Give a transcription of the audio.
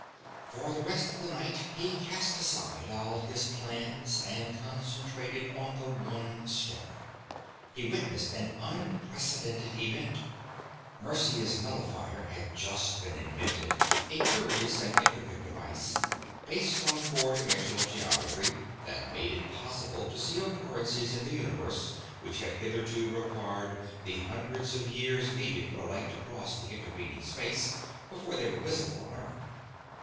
For the rest of the night, he cast aside all his plans and concentrated on the one star. He witnessed an unprecedented event. Mercia's nullifier had just been invented, a curious and intricate device, based on four dimensional geometry, that made it possible to see occurrences in the universe which had hitherto required the hundreds of years needed for light to cross the intervening space before they were visible on Earth.